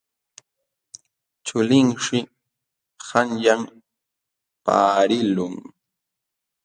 Chulinshi qanyan paqarilqun.